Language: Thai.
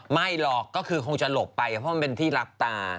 ไม่หรอกก็คือคงจะหลบไปเพราะมันเป็นที่รับตา